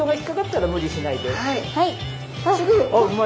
はい。